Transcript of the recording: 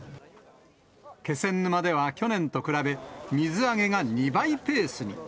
気仙沼では去年と比べ、水揚げが２倍ペースに。